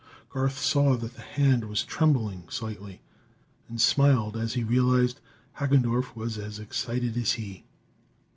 Garth saw that the hand was trembling slightly, and smiled as he realized Hagendorff was as excited as he.